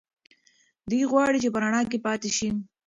دی غواړي چې په رڼا کې پاتې شي.